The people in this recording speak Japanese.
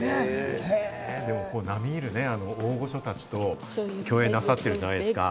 並み居る大御所たちと共演なさってるじゃないですか。